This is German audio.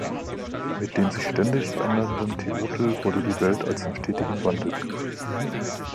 Mit dem sich ständig verändernden Teotl wurde die Welt als in stetigem Wandel begriffen.